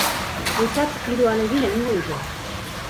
Bakoitzak hiru ahalegin egingo ditu.